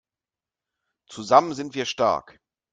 Zusammen sind wir stark!